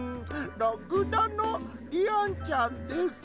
らくだのリアンちゃんです。